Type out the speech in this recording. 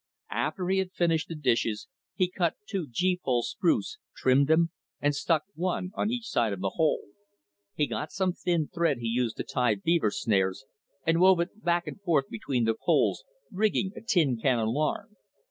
After he had finished the dishes, he cut two gee pole spruce, trimmed them, and stuck one on each side of the hole. He got some thin thread he used to tie beaver snares and wove it back and forth between the poles, rigging a tin can alarm.